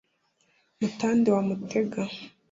mutandi wa mutega.